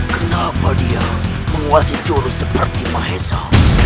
kenapa dia menguasai jurus seperti mahesa